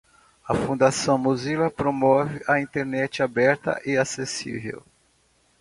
A Fundação Mozilla promove a internet aberta e acessível.